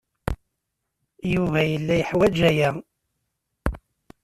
Yuba yella yeḥwaj aya.